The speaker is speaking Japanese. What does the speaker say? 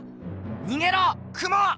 にげろクモ！